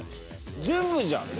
全部じゃん！